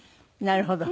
なるほど。